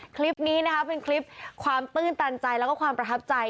คลิปนี้นะคะเป็นคลิปความตื้นตันใจแล้วก็ความประทับใจ